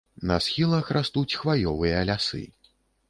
На схілах растуць хваёвыя лясы.